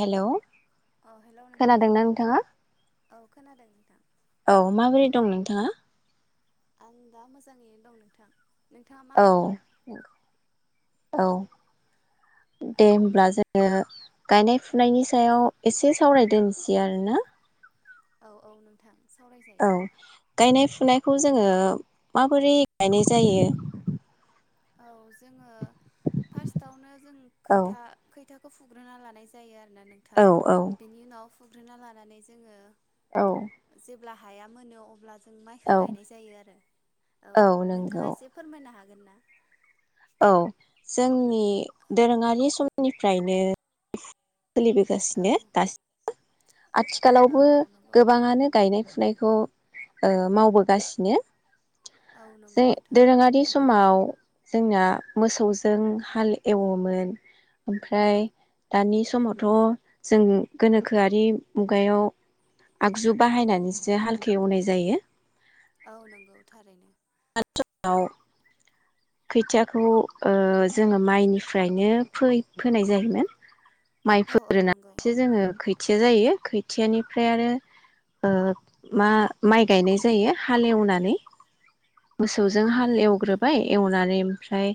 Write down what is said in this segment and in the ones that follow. Hello औ hello नोंथां खोनादोंना नोंथाङा? औ खोनादों नोंथां औ माबोरै दं नोंथाङा? आं दा मोजाङैनो दं नोंथां नोंथाङा औ माबोरै दं? औ औ दे होमब्ला जोङो गायनाय फुनायनि सायाव एसे सावराय दोनसै आरोना औ-औ नोंथां औ सावरायजायो गायनाय फुनाय खौ जोङो माबोरै गायनाय जायो औ जोङो फारसत आवनो जों औ खैथा-खैथा फुग्रोना लानाय जायो। ना नोंथां औ औ बेनि उनावफ फुग्रोना लानानै जोङो औ अब्ला हाया मोनो अब्लाज माइखो औ गायनाय जायो आरो। औ। नोंथाङा एसे फोरमायनो हागो [unintelligible] औ। जोंनि दोरोङारि समनिफ्रायनो औ सोलिबोगासिनो [unintelligible] औ आथिखालावबो औ नंगौ गोबाङानो गायनाय फु नायखौ ओ मावबोगासिनो। औ नंगौ जे नोंथां दोरोङारि समाव जोंना मोसौजों हाल एवोमोन। ओमफ्राय दानि समावथ जों गोनोखोआरि मुगायाव आगजु बाहायनानैसो हालखौ एवनाय जायो। औ नंगौ थारैनो। नाव खोथियाखौ ओ जोंङो माइनिफ्रायनो फोय-फोनाय जायोमोन। माइ औ औ नंगौ फोरोनासो जोंङो खै थिया जायो। खोथियानिफ्राय आरो ओ मा-माइ गायनाय जायो हालेवनानै। औ मोसौजों औ हाल नंगौ नोंथां एवग्रोबाय एवनानै ओमफ्राय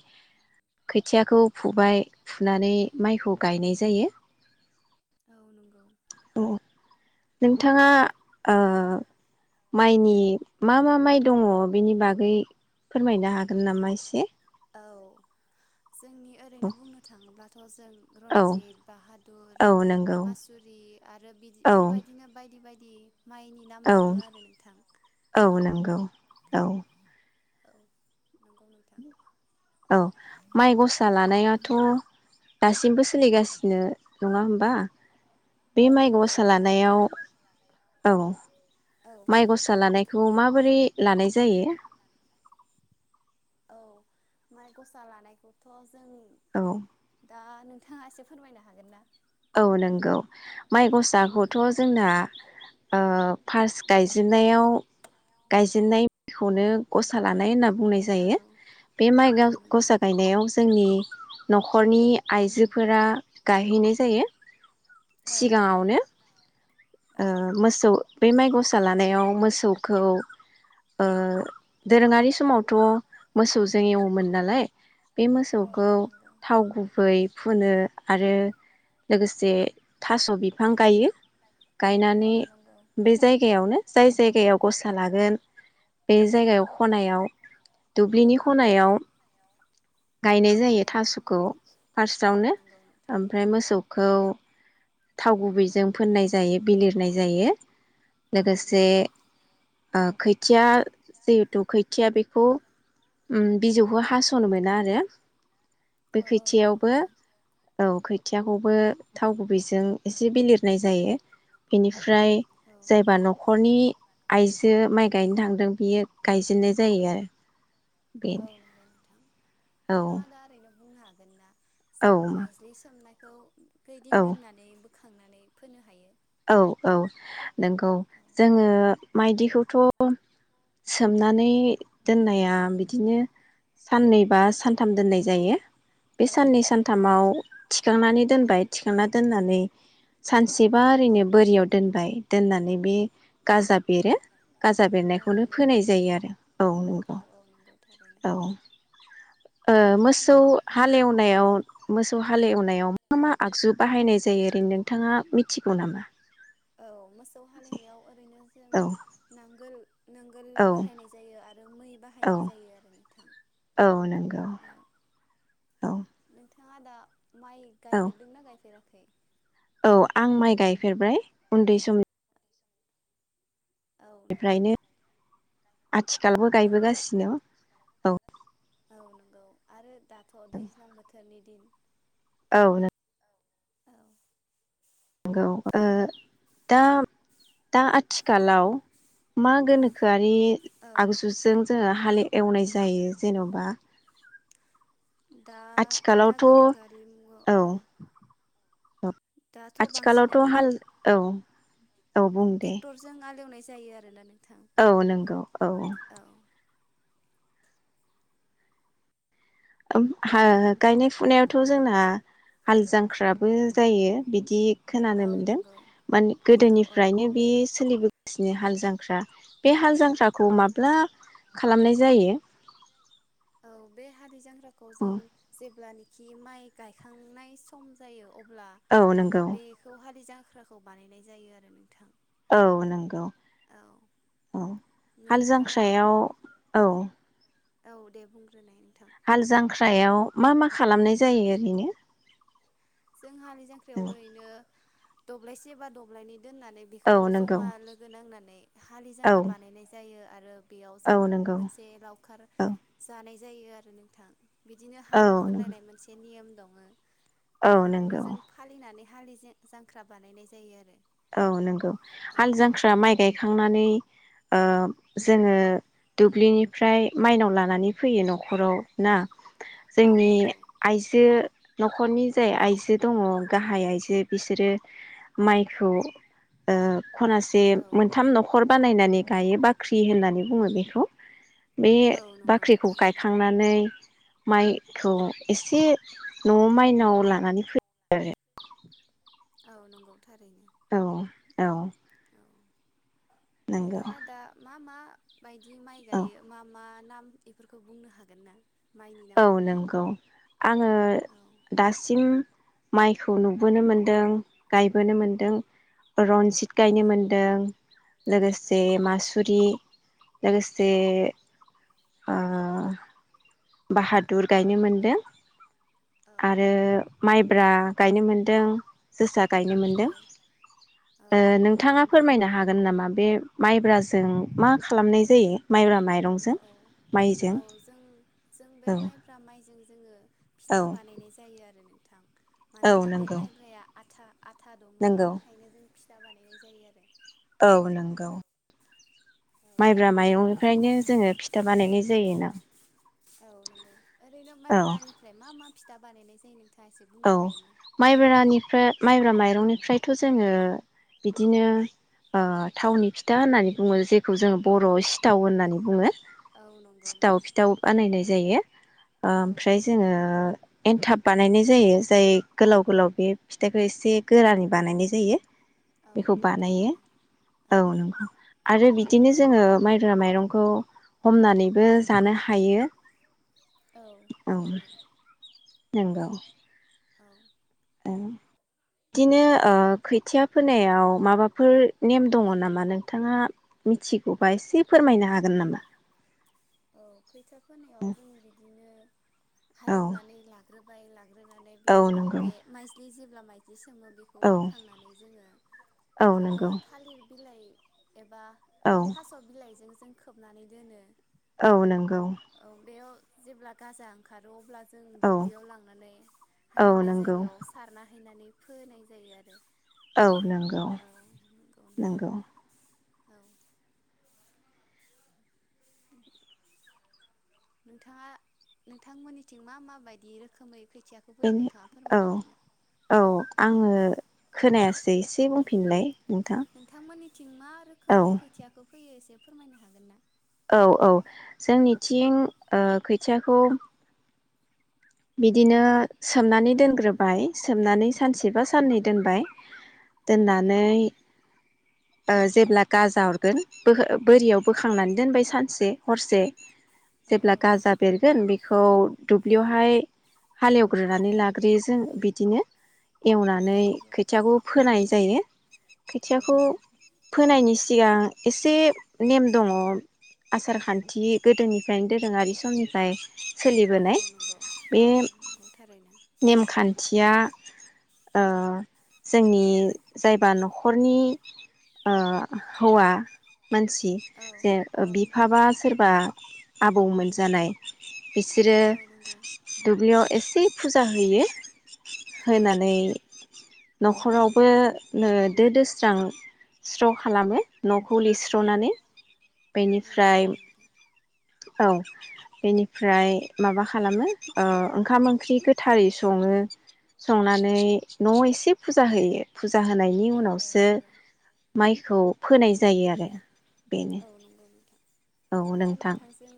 खोथियाखौ फुबाय फुनानै माइखौ गायनाय जायो। औ नंगौ। औ नोंथाङा ओ माइनि मा मा माइ दङ बेनि बागै फोरमायनो हागोन नामा एसे? औ जोंनि ओरैनो बुंनो थाङोब्ला जों औ रनजित बाहादुर औ नंगौ मासुरि आरो औ बिदिफोरबादिनो बायदि बायदि [unintelligible] माइनि नाम औ दङो आरो नोंथां औ। औ औ नंगौ नोंथां। औ माइ गसा लानायाथ' दासिमबो सोलिगासिनो नङा होमबा? बे औ माइ नंगौ गसा नोंथां लानायाव आरो औ औ माइ गसा लानाय खौ माबोरै लानाय जायो? औ माइ गस्ला लानायखौथ' जों औ दा नोंथाङा एसे फोरमायनो हागोन ना? औ नंगौ माइ गस आ खौथ' जोंना ओ फार्स्ट गायजेननायाव गायजेननायखौनो गसा लानाय होनना बुंनाय जायो बे माइ लानाय गाव गसा गायनायाव जोंनि नखरनि आइजोफोरा गायहैनाय जायो औ नंगौ सिगांङावनो ओ औ मोसौ बै माइ ग फिसा लानायाव मोसौखौ ओ दोरोंङारि समावथ मोसौसो एवोमोन नालाय बे औ मोसौखौ औ नंगौ थाव गुबै फुनो आरो लोगोसे थास बिफां गायो औ गायनानै नंगौ बे जायगायावनो जाय जायगायाव गस्ला लागोन बे जायगायाव खनायाव दुब्लिनि खनायाव गायनाय औ जायो थासखौ औ फार्स्टआवनो नंगौ नोंथां ओमफ्राय मोसौ खौ थाव गुबैजों फोननाय जायो बिलिरनाय जायो औ लोगोसे नंगौ ओ खै खोथिया जिहेथु खोथिया बेखौ उम बिजौखौ हासनो मोन दा आरो बे औ औ नंगौ खोथियावबो नोंथां औ खोथियाखौ बो थाव गु बिजों एसे बि लिरनाय जायो बेनि ओमफ्राय औ जायबा नंगौ नखरनि आइजो माइ गायनो थांदों बियो गायजेननाय जै आरो औ नंगौ नोंथां बेनो औ नोंथाङा दा ओरैनो बुंनो हागोन ना औ जों माइज्लि सोमनाय [inaudible] खैदिन औ दोननानै बोखांनानै फोनो हायो औ औ नंगौ औ जोङो माइलिखौथ सोमनानै दोननाया बिदिनो साननैबा सानथाम दोननाय जायो बे औ साननै नंगौ सानथामाव थारैनो थिखांनानै दोनबाय थिखांनानै दोननानै सानसेबा ओरैनो बोरियाव दोनबाय दोननानै बे गाजाब बेरो गाजा औ बेरनायखौनो नंगौ फोनाय जायो आरो औ नंगौ औ औ नंगौ थारैनो [inaudible] ओ नोंथाङा मोसौ दा हालेवनायाव औ मोसौ हालेवनायाव मा मा आगजु बाहायनाय जायो ओरै नोंथाङा मिथि गौ नामा औ मा सा खौ हालेवनायाव ओरैनो जों औ नांगोल नांगोल औ बाहायनाय जायो आरो मै औ बाहायनाय जायो आरो नोंथां औ नंगौ औ औ नोंथां। मा दा माइ औ गायफेरदोंना गायफेराखै [inaudible] औ आं माइ गायफेरबायबाय उन्दै समनि औ नंगौ बेनिफ्रायनो आथिखालबो औ गायबोगासिनो। औ। औ नंगौ आरो दाथ दैज्लां बोथोरनि दिन [unintelligible] औ नो औ नंगौ ओ दा दा आथिखालाव मा गोनोखोआ रि अखा आगजुजों जोङो हाले दोमैफ्रानि एवनाय जायो जेनबा दा दा आथिखालावथ' गोनोखोआरि मु औ अ दाथ' आथिखालावथ हाल औ। औ बुं दे टेक्टरजों हालेवनाय जायो आरोना नो औ नंगौ औ। उम हा दा गायनाय फुनायाव थ जोंना हाल जांख्राबो जायो बिदि खोनानो औ मोनदों नंगौ मानि औ औ गोदोनिफ्रायनो नंगौ बे नोंथां सोलिबोगासिनो हालजा जांख्रा बे हाल जांख्राखौ माब्ला खालामनाय जायो। औ बे हालिजां ख्राखौ जों जेब्लानि खि माइ गायखांनाय सम जायो अब ब्ला औ नंगौ बेखौ हालिजां ख्राखौ बानायनाय जायो आरो नोंथां। औ नंगौ औ उम हाल नोंथाङा जांख्रायाव औ। औ दे बुंग्रोनाय। नोंथां हाल जांख्रा ख्रायाव मा मा खालामनाय जायो ओरैनो। जों हालि जांख्रियाव ओरैनो दब्लायसे बा दब्लायनै दोननानै बेखौ औ नंगौ जमा लोगो नांनानै हालि औ जांख्रा बानायनाय जायो आरो बेयाव जों औ नंगौ मोनसे लावखार औ जानाय जायो आरो नोंथां बिदिनो औ हाब्रु नंगौ फुनलायनाय मोनसे नियम दङो औ बेफोरखौनो नंगौ जों फालिनानै हालि जें जांख्रा बानायनाय जायो आरो औ नंगौ हाल जांख्रा माइ गायखांनानै ओ जोङो दुब्लिनिफ्राय माइनाव लानानै फैयो नखराव ना औ जोंनि नंगौ आइजो नखरनि जाय आइजो दङ गाहाय आइजो बिसोरो माइ खौ ओ खनासे औ मोनथाम नखर बानायनानै गायो बाख्रि होननानै बुङो बेखौ बे औ नंगौ बाख्रिखौ नोंथां नंगौ गायखांनानै माइखौ एसे नआव माइनाव लानानै फै [inaudible] [unintelligible] औ नंगौ थारैनो औ औ औ नंगौ नोंथाङा दा मा मा बायदि माइ औ गायो मा मा नाम एफोरखौ बुंनो हागोन ना माइनि औ नामफोरखौ नंगौ आङो औ दासिम माइखौ नुबोनो मोनदों गायबोनो मोनदों रन जित रनजित मोनदों लोगोसे मासुरि जोसा मोनदों ओ नोंथाङा फोरमायनो हागोन नामा बे माइब्राजों मा खालामनाय जायो? गायनो मोन्दों लोगोसे मासुरि लोगोसे ओ बाहादुर गायनो मोनदों आरो माइब्रा गायनो मोन्दों जोसा गायनो मोनदों ओ नोंथाङा फोरमायनो हागोन नामा बे माइब्राजों मा खालामनाय जायो माइब्रा माइरंजों औ माइजों औ जों जों औ बे माइफ्रा माइ जों जोङो औ फिथा बानायनाय जायो आरोनो औ मानोना बे नंगौ माइब्राया आथा आथा दङ नंगौ बेखायनो जों फिथा बानायनाय जायो आरो औ नोंगौ माइब्रा माइरंनिफ्रायनो जोङो फिथा बानायनाय जायोना औ नंगौ ओरैनो औ माइब्रानिफ्राय मा मा फिथा बानायनाय जा औ माइब्रानिफ्रा माइब्रा माइरंनिफ्रायथ जोङो बिदिनो ओ थावनि फिथा होननानै बुङो जेखौ जोङो बरआव सिथाव होननानै बुङो औ नंगौ सिथाव नोंथां फिथाबो बानायनाय जायो औ ओमफ्राय जोङो एन्थाब बानायनाय जायो जाय गोलाव गोलाव बे फिथाखौ एसे गोरानै बानायनाय जायो औ बेखौ नंगौ बानायो थारैनो औ नंगौ आरो बि बिदिनो जोङो माइब्रा माइरंखौ हमनानैबो जानो हायो औ नंगौ नंगौ औ दिनो खोथिया फोनायाव माबाफोर नेम दङ नामा नोंथाङा मिथिगौबा एसे फोरमायनो हागोन नामा औ खैथा फोनायाव जों बिदिनो औ हालेवनानै लाग्रोब [unintelligible] ग्रोनानै औ बिनि उनाव नंगौ बे माइज्लि जिब होनब्ला माय [unintelligible] [unintelligible] बिखौ औ बोखांनानै जोङो औ खो नंगौ थालिर बिलाइ एबा औ थास बिलाइजों जों खोबनानै दोनो औ नंगौ औ बेयाव जेब्ला गाजा ओंखारो अब्ला जों औ दुब्लियाव लांनानै औ हालेवनाय नंगौ जायगायाव सारना हैनानै फोनाय जायो आरो औ नंगौ औ नंगौ औ नोंथाङा नोंथांमोननिथिं मा मा बायदि रोखोमै खै बेनो औ औ औ आङो खोनायासै एसे बुंफिन फिननाय नोंथांमोननिथिं मा रोखोमै खोथियाखौ फैयो एसे फोरमायनो हागोन ना? औ औ जोंनिथिं ओ खोथियाखौ औ बिदिनो सोमनानै दोनग्रोबाय सोमनानै सानसे बा साननै दोनबाय औ नंगौ दोननानै जेब्ला गाजा अरगोन बोरियाव बोखांनानै दोनबाय सानसे हरसे। औ जेब्ला औ गाजा बेरगोन बेखौ खौ दुब्लियावहाय हालेवग्रोनानै लाग्रोयो जों बिदिनो। औ एवनानै नंगौ खोथियाखौ फोनाय जायो। औ खोथियाखौ औ फोनायनि सि। सिगां एसे नेम दङ आसार खान्थि गोदोनिफ्रायनो दोरोङारि समनिफ्राय। औ सोलिबोनाय नंगौ बे औ नंगौ थारैनो नेमखान्थिया ओ जोंनि जायबा नखरनि ओ हौवा मानसि औ जे औ बिफाबा सोरबा बा आबौमोन जानाय बिसोरो औ नंगौ दुब्लियाव एसे फुजा होयो। औ होनानै नंगौ नखरावबो दो दोस्रां स्र खालामो औ गुुलिस्रनानै औ बेनिफ्राय नंगौ नोंथां औ बेनिफ्राय माबा खालामो ओ ओंखाम ओंख्रि गोथारै सङो संनानै नआव एसे फुजा होयो। फुजा होनायनि औ औ उनावसो नंगौ माइखौ फोनाय जायो आरो बेनो औ नंगौ नोंथां औ दा नोंथां नोंथांजों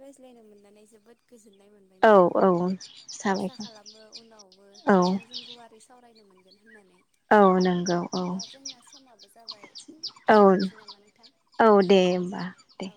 रायज्लाय रायलायनो मोननानै जोबोद गोजोननाय मोनबाय औ नोंथां औ आसा साबायखर खालामो उनावबो औ नोंथांजों गुवारै सावरायनो मोन होननानै औ नंगौ औ दा जोंना समाबो जाबाय औ दोनथनोसै नामा नोंथां औ दे होमबा दे